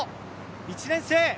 １年生